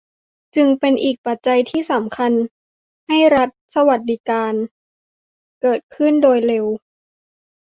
จึงเป็นอีกปัจจัยที่สำคัญให้รัฐสวัสดิการเกิดขึ้นโดยเร็ว